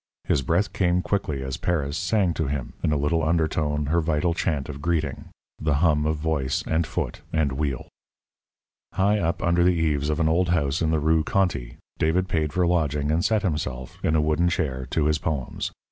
His breath came quickly as Paris sang to him in a little undertone her vital chant of greeting the hum of voice and foot and wheel. High up under the eaves of an old house in the Rue Conti, David paid for lodging, and set himself, in a wooden chair, to his poems.